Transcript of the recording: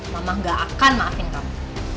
mama gak akan maafin kamu